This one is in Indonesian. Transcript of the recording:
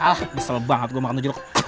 amin ah besel banget gue makan jeruk ini